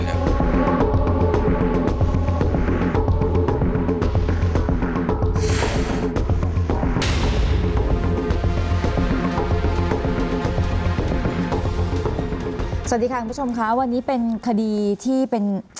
สวัสดีค่ะคุณผู้ชมค่ะวันนี้เป็นคดีที่เป็น